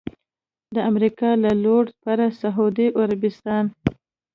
د امریکا له لوري پر سعودي عربستان